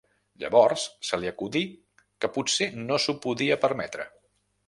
Llavors se li acudí que potser no s'ho podria permetre.